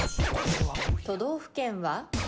都道府県は？